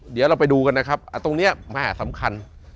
เดี๋ยวเราไปดูกันนะครับตรงนี้แม่สำคัญ